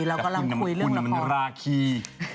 เรากำลังคุยเรื่องละครแต่คุณมันราคี